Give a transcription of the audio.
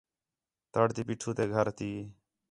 تڑ تی پیٹھو تے گھر تی